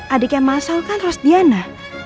adiknya masal kan rosdiana